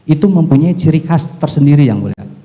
itu mempunyai ciri khas tersendiri yang mulia